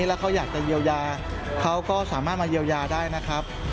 แล้วเขาอยากจะเยียวยาเขาก็สามารถมาเยียวยาได้นะครับ